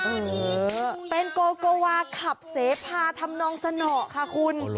โอ้โหเป็นโกโกวาขับเสพาทำนองสนอค่ะคุณ